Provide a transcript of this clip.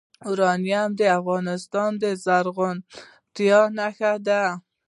یورانیم د افغانستان د زرغونتیا نښه ده.